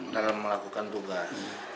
dalam melakukan tugas